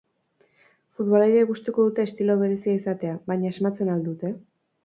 Futbolariek gustuko dute estilo berezia izatea, baina asmatzen al dute?